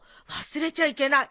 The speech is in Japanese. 忘れちゃいけない。